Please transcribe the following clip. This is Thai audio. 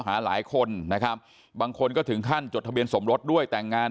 หาหลายคนนะครับบางคนก็ถึงขั้นจดทะเบียนสมรสด้วยแต่งงาน